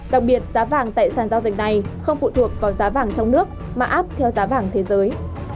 đặc biệt giá vàng tại sàn giao dịch này không phụ thuộc vào giá vàng trong nước mà áp theo giá vàng thế giới